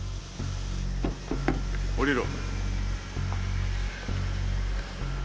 降りろ。